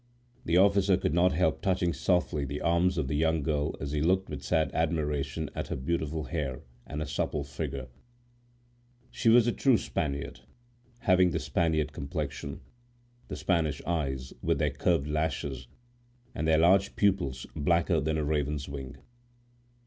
The officer could not help touching softly the arms of the young girl as he looked with sad admiration at her beautiful hair and her supple figure. She was a true Spaniard, having the Spanish complexion, the Spanish eyes with their curved lashes, and their large pupils blacker than a raven's wing.